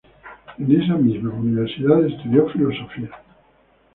En esta misma universidad estudió Filosofía.